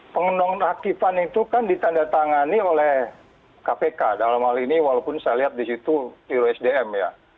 pengenon aktifan itu kan ditandatangani oleh kpk dalam hal ini walaupun saya lihat di situ di osdm